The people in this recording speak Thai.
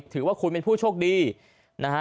ถือว่าคุณเป็นผู้โชคดีนะฮะ